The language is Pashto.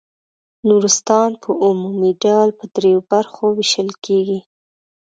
نورستان په عمومي ډول په دریو برخو وېشل کیږي.